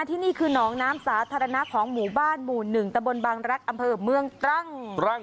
ที่นี่คือหนองน้ำสาธารณะของหมู่บ้านหมู่๑ตะบนบางรักษ์อำเภอเมืองตรัง